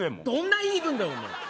どんな言い分だよ。